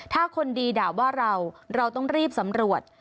ถ้าคนดีด่าว่าเราเราต้องรีบสำรวจ